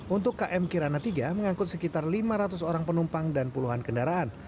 untuk km kirana tiga mengangkut sekitar lima ratus orang penumpang dan puluhan kendaraan